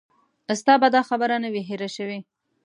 ستا به دا خبره نه وي هېره شوې.